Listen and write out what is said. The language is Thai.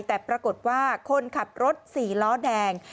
แต่ปรากฏว่าคนขับรถ๔ล้อแดง